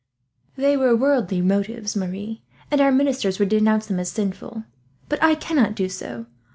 "They were worldly motives, Marie, and our ministers would denounce them as sinful; but I cannot do so.